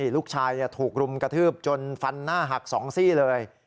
ลูกชายถูกรุมกระทืบจนฟันหน้าหัก๒ซี่เลย